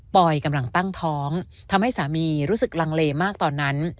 อยกำลังตั้งท้องทำให้สามีรู้สึกลังเลมากตอนนั้น